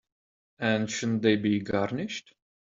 And shouldn't they be garnished?